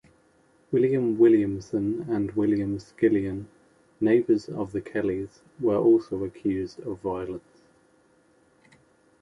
William Williamson and William Skillion, neighbours of the Kellys, were also accused of violence.